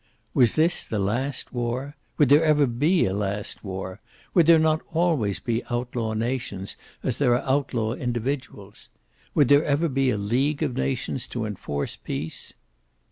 Was this the last war? Would there ever be a last war? Would there not always be outlaw nations, as there are outlaw individuals? Would there ever be a league of nations to enforce peace?